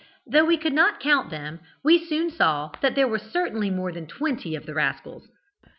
Though we could not count them, we soon saw that there were certainly more than twenty of the rascals.